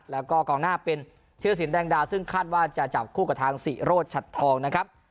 แล้วก็กองหน้าเป็นธิรสินแดงดาซึ่งคาดว่าจะจับคู่กับทางศรีโรธชัดทองนะครับ